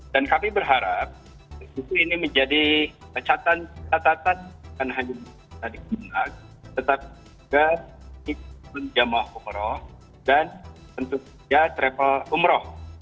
dan kami berharap itu ini menjadi catatan dan hanya kita dikenal tetap juga ikut jemaah umroh dan tentu saja travel umroh